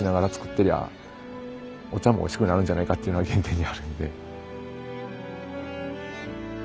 てりゃお茶もおいしくなるんじゃないかっていうのが原点にあるんで。